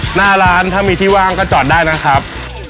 หน้าร้านถ้ามีที่ว่างก็จอดได้นะครับ